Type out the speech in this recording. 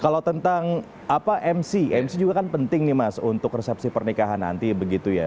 kalau tentang mc mc juga kan penting nih mas untuk resepsi pernikahan nanti begitu ya